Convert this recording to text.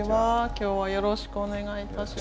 今日はよろしくお願いいたします。